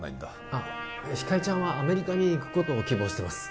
あっひかりちゃんはアメリカに行くことを希望してます